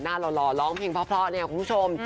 หล่อร้องเพลงเพราะเนี่ยคุณผู้ชม